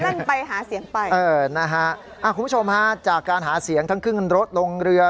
นั่นไปหาเสียงไปเออนะฮะคุณผู้ชมฮะจากการหาเสียงทั้งขึ้นรถลงเรือ